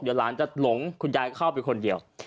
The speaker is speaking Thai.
เดี๋ยวหลานจะหลงคุณยายเข้าไปคนเดียว